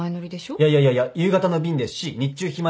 いやいやいやいや夕方の便ですし日中暇ですし。